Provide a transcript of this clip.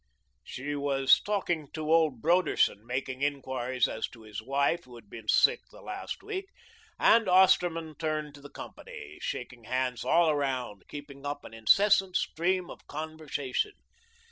She began talking to old Broderson, making inquiries as to his wife, who had been sick the last week, and Osterman turned to the company, shaking hands all around, keeping up an incessant stream of conversation.